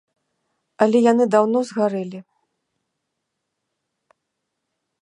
Але яны даўно згарэлі.